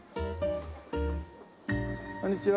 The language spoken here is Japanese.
こんにちは。